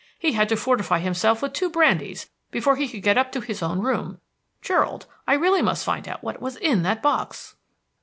He had to fortify himself with two brandies before he could get up to his own room. Gerald, I really must find out what was in that box!"